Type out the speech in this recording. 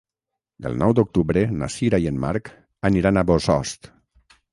El nou d'octubre na Sira i en Marc aniran a Bossòst.